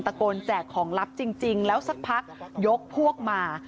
โกแจกของลับจริงแล้วสักพักยกพวกมา